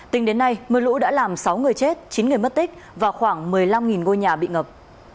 tính đến nay mưa lũ đã làm sáu người chết chín người mất tích và khoảng một mươi năm ngôi nhà bị ngập